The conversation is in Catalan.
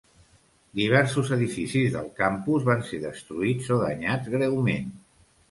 Diversos edificis del campus van ser destruïts o danyats greument.